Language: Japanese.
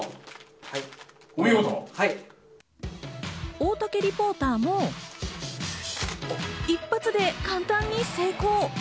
大竹リポーターも一発で簡単に成功！